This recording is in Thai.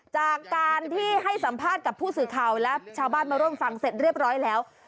จากการที่ให้สัมภาษณ์กับผู้สื่อข่าวและชาวบ้านมาร่วมฟังเสร็จเรียบร้อยแล้ว